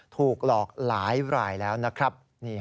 ถูกหลอกหลายรายแล้วนะครับ